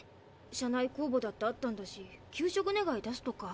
社内公募だってあったんだし休職願出すとか。